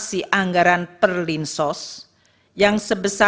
singapura reporting sekarang di rencenea